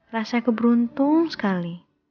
rasaku beruntung sekali